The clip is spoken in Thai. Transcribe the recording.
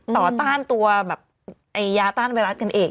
ต่อต้านตัวยาต้านไวรัสกันเอง